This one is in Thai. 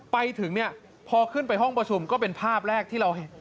ไปถึงเนี่ยพอขึ้นไปห้องประชุมก็เป็นภาพแรกที่เราเห็น